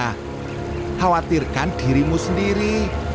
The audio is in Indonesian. khawatirkan dirimu sendiri